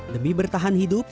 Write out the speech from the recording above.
demi bertahan hidup